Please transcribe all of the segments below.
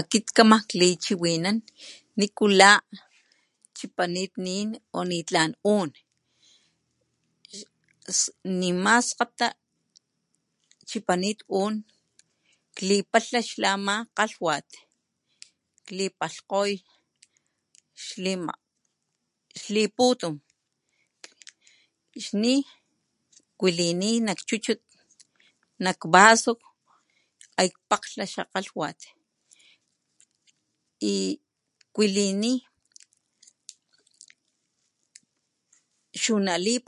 Akit kkama klichiwinan nikula chipanit nin o nitlan un nima skgata chipanit un klipalha ama kgalhwat klipaxkgoy xliputun xni kualini nak chuchut kvaso nakkualini albajaka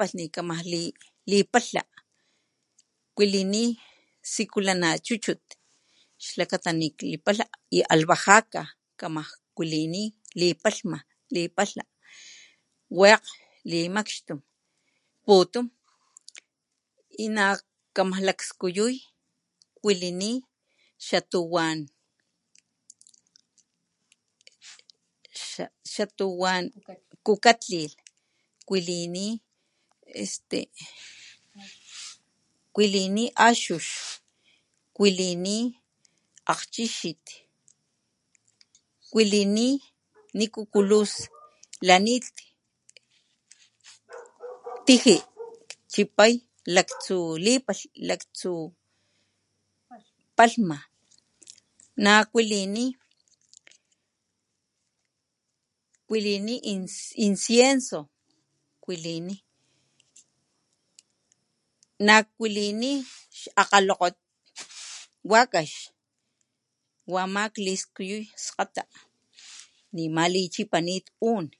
kualini chuchut xlakata lipalha xlakata lipalha wakg limakxtun putun y na kama skuyuy xatuwan kukatlilh axux niku kulus kualini yiji kchapay laktsu lipalhni kualini incienso kualini nakualini xakgalokgot wakax wa ama kliskiyuy skagta nima lichapanit un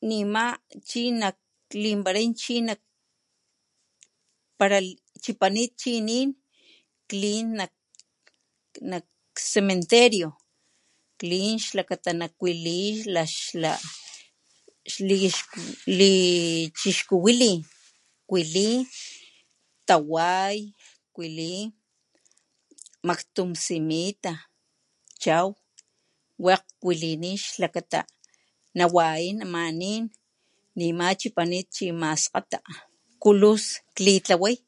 ne chapanit chi un kin nak cementerio xlichixkuwalin kuali taway kualiy maktu simita chaw wakg wilini xla lakgwalini liakpalha laktsukaman watiya.